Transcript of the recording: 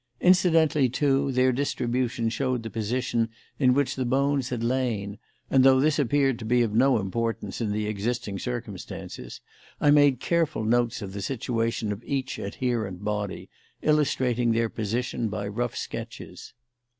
Incidentally, too, their distribution showed the position in which the bones had lain, and though this appeared to be of no importance in the existing circumstances, I made careful notes of the situation of each adherent body, illustrating their position by rough sketches.